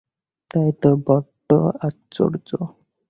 তাই তো, বড়ো আশ্চর্য!